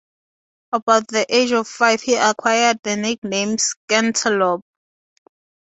At about the age of five he acquired the nickname "scantelope".